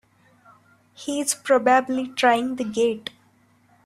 He's probably trying the gate!